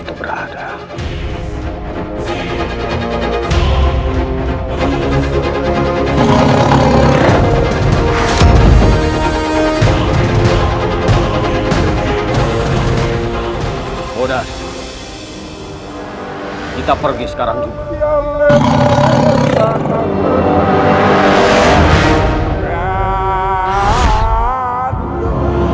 jangan melihat jika mimpimu